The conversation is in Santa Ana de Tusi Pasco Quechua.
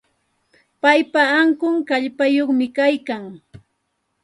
Paypa ankun kallpayuqmi kaykan.